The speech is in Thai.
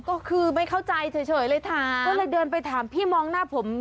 ก็คือไม่เข้าใจเฉยเลยถามก็เลยเดินไปถามพี่มองหน้าผม